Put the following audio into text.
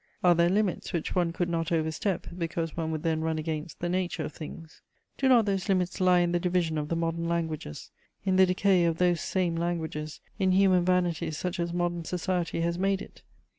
Are there limits which one could not overstep, because one would then run against the nature of things? Do not those limits lie in the division of the modern languages, in the decay of those same languages, in human vanity such as modern society has made it?